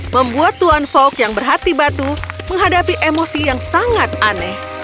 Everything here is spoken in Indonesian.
membuat tuan fok yang berhati batu menghadapi emosi yang sangat aneh